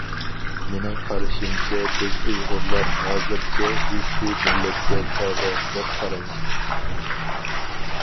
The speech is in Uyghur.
مېنىڭ قارىشىمچە بىز ئۇيغۇرلار ھازىرچە ھېسسىي مىللەتكە تەۋە دەپ قارايمەن.